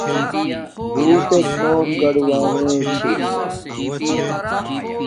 بݸتݵک تݺ نݸم گَڑُوݳݣݺ چھݺ